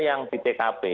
yang di tkp